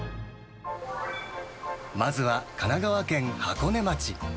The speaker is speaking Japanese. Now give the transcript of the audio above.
まずは神奈川県箱根町。